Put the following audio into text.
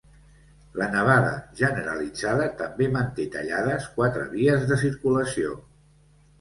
La nevada generalitzada també manté tallades quatre vies de circulació.